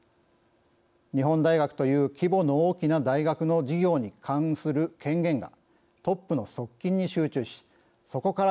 日本大学という規模の大きな大学の事業に関する権限がトップの側近に集中しそこから